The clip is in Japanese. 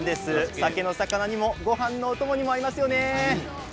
酒のさかなにもごはんのお供にも合いますよね。